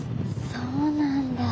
そうなんだ。